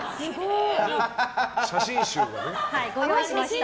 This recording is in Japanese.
写真集ご用意しました。